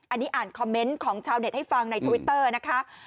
อันนี้อ่านคอมเมนต์ของชาวเน็ตให้ฟังในทวิตเตอร์นะคะ